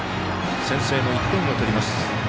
先制の１点を取ります。